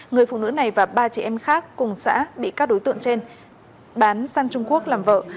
người phụ nữ này và ba chị em khác cùng xã bị các đối tượng trên bán săn trung quốc làm vợ